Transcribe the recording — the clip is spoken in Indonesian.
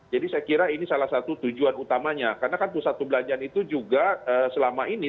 jadi saya kira ini salah satu tujuan utamanya karena kan pusat belanjaan itu juga selama ini